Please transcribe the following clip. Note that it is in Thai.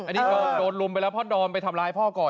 อันนี้ดอมโดนลุมไปแล้วพ่อดอมไปทำร้ายพ่อก่อน